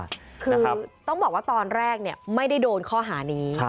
คือต้องบอกว่าตอนแรกไม่ได้โดนข้อหานี้